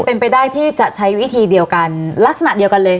เป็นไปได้ที่จะใช้วิธีเดียวกันลักษณะเดียวกันเลย